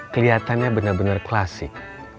keliatannya benar benar klasik